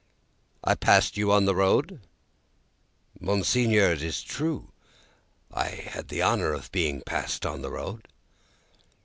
"I passed you on the road?" "Monseigneur, it is true. I had the honour of being passed on the road."